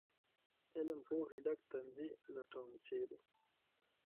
علم پوهې ډک تندي لټوم ، چېرې ؟